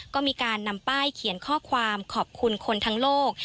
ก็มีการนำป้ายเขียนข้อความขอบคุณคนทั้งโลก